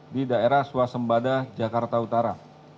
di daerah swasembada jakarta utara